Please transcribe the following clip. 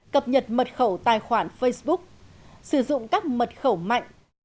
cập nhật mật khẩu tài khoản facebook sử dụng các mật khẩu mạnh